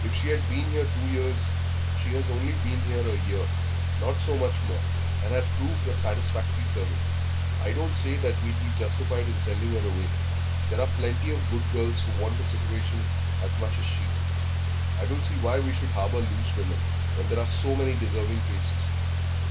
If she had been here two years she has only been here a year not so much more and had proved a satisfactory servant, I don't say that we'd be justified in sending her away.... There are plenty of good girls who want a situation as much as she. I don't see why we should harbour loose women when there are so many deserving cases."